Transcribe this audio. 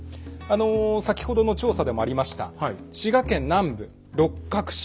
先ほどの調査でもありました滋賀県南部六角氏。